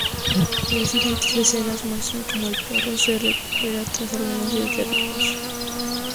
Las siguientes escenas muestran cómo el perro se recupera tras algunos días de reposo.